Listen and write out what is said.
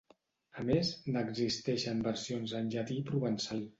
A més, n'existeixen versions en llatí i provençal.